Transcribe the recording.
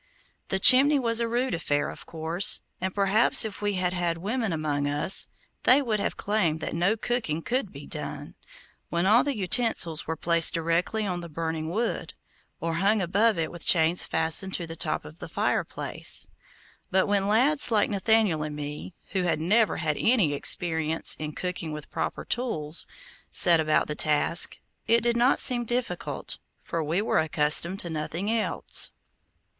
The chimney was a rude affair, of course, and perhaps if we had had women among us, they would have claimed that no cooking could be done, when all the utensils were placed directly on the burning wood, or hung above it with chains fastened to the top of the fireplace; but when lads like Nathaniel and me, who had never had any experience in cooking with proper tools, set about the task, it did not seem difficult, for we were accustomed to nothing else.